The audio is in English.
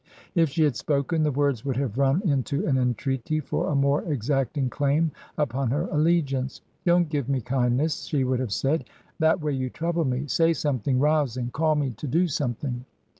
If she had spoken, the words would have run into an entreaty for a more exacting claim upon her alle giance. Don't give me kindness," she would have said ; "that way you trouble me. Say something rousing ; call me to do something."